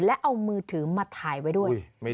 และเอามือถือมาถ่ายไว้ด้วย